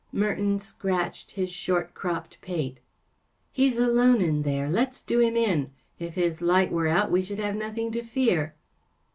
Merton scratched his short cropped pate. “ He’s alone in there. Let’s do him in. If his light were out we should have nothing to fear.